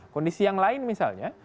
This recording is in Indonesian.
kondisi yang lain misalnya